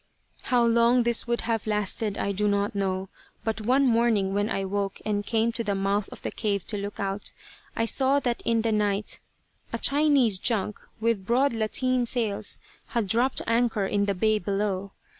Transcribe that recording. How long this would have lasted I do not know, but one morning when I woke and came to the mouth of the cave to look out, I saw that in the night a Chinese junk, with broad latteen sails, had dropped anchor in the bay below.